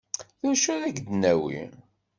D acu ara ak-d-nawi?